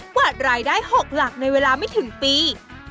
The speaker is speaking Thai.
วาดรายได้๖หลักในเวลาไม่ถึงปี